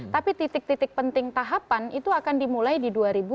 tapi titik titik penting tahapan itu akan dimulai di dua ribu dua puluh